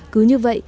cứ như vậy